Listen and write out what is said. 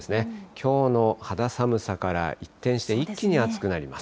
きょうの肌寒さから一転して一気に暑くなります。